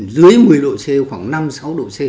dưới một mươi độ c khoảng năm sáu độ c